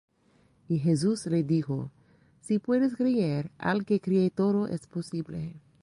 Y Jesús le dijo: Si puedes creer, al que cree todo es posible.